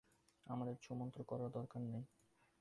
আমাদের ছুঃ মন্তর করার দরকার নেই।